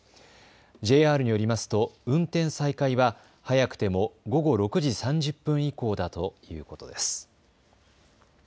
ＪＲによりますと運転再開は早くても午後６時３０分以降だということです。